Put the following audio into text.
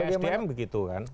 sdm begitu kan